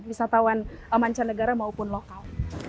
wisatawan mancanegara maupun lokal